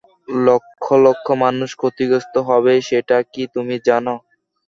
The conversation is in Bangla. লক্ষ লক্ষ মানুষ ক্ষতিগ্রস্ত হবে, সেটা কি তুমি জানো?